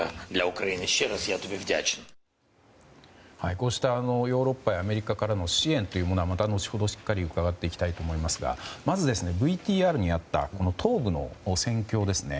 こうしたヨーロッパやアメリカからの支援というものはまた後程しっかり伺っていきたいと思いますがまずＶＴＲにあった東部の戦況ですね。